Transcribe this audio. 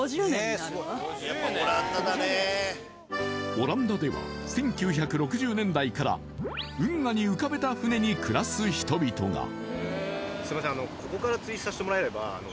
オランダでは１９６０年代から運河に浮かべた船に暮らす人々がすいません